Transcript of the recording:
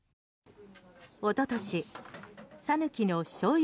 おととし讃岐のしょうゆ